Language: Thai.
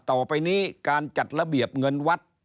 ต่อไปนี้การจัดระเบียบเงินวัด